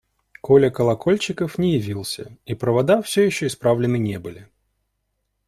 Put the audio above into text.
Коля Колокольчиков не явился, и провода все еще исправлены не были.